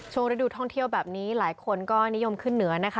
ฤดูท่องเที่ยวแบบนี้หลายคนก็นิยมขึ้นเหนือนะคะ